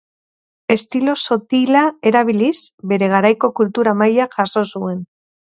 Estilo sotila erabiliz, bere garaiko kultura-maila jaso zuen.